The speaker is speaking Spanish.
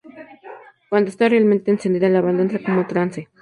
Cuando esta realmente encendida, la banda entra como en trance.